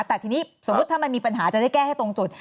แต่ทีนี้สมมุติถ้ามันมีปัญหาจะได้แก้ให้ตรงจุด